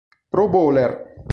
Pro Bowler